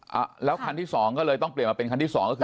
อ่าแล้วคันที่สองก็เลยต้องเปลี่ยนมาเป็นคันที่สองก็คือ